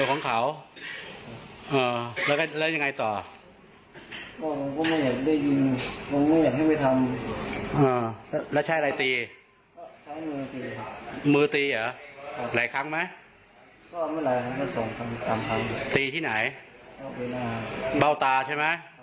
แล้วเราเป็นพ่อแท้หรือเป็นพ่ออะไร